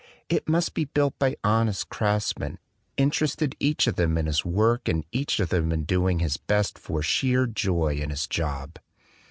It must be built by honest crafts men, interested each of them in his work and each of them doing his best for sheer joy in his job.